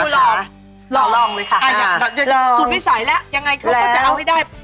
คุณคุณลองลองเลยค่ะสุดไม่ใสแล้วยังไงเขาก็จะเอาให้ได้